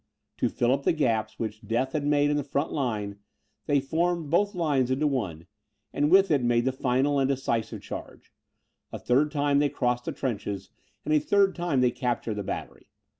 To fill up the gaps which death had made in the front line, they formed both lines into one, and with it made the final and decisive charge. A third time they crossed the trenches, and a third time they captured the battery.